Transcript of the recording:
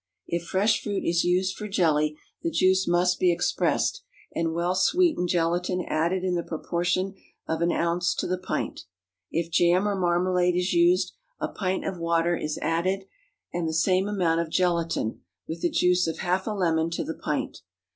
If fresh fruit is used for jelly, the juice must be expressed, and well sweetened gelatine added in the proportion of an ounce to the pint. If jam or marmalade is used, a pint of water is added and the same amount of gelatine, with the juice of half a lemon to the pint.